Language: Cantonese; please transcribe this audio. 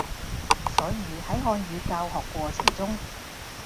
所以，喺漢語教學過程中